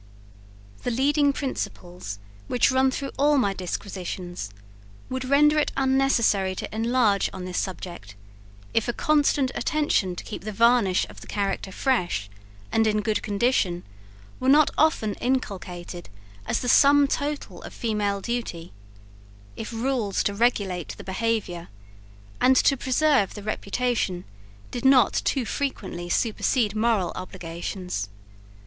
The leading principles which run through all my disquisitions, would render it unnecessary to enlarge on this subject, if a constant attention to keep the varnish of the character fresh, and in good condition, were not often inculcated as the sum total of female duty; if rules to regulate the behaviour, and to preserve the reputation, did not too frequently supersede moral obligations.